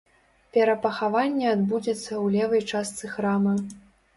Перапахаванне адбудзецца ў левай частцы храма.